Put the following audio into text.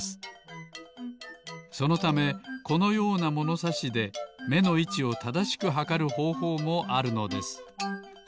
そのためこのようなものさしでめのいちをただしくはかるほうほうもあるのです。